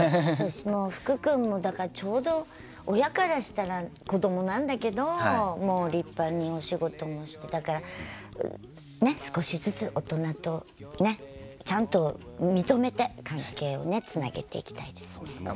福君もちょうど親からしたら子どもなんだけどもう立派にお仕事もしてだから、少しずつ大人とちゃんと認めて関係をつなげていきたいですね。